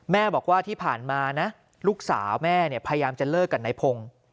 แม่บอกว่าที่ผ่านมานะลูกสาวแม่พยายามจะเลิกกับนายพงศ์